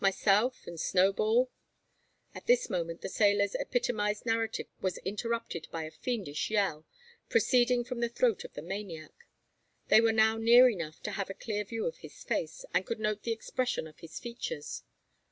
Myself and Snowball " At this moment the sailor's epitomised narrative was interrupted by a fiendish yell, proceeding from the throat of the maniac. They were now near enough to have a clear view of his face, and could note the expression of his features.